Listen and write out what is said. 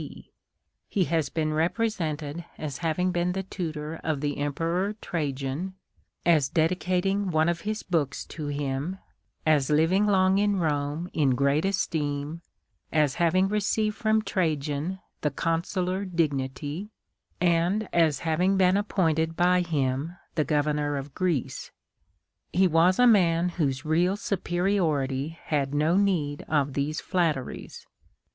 d. He has been represented as having been the tutor of the Emperor Trajan, as dedicating one of ins books to him, as living long in Rome in great esteem, as having received from Trajan the consular dignity, and as having been appointed by him the governor of Greece. lie was a man whose real superiority had no need of these flatteries.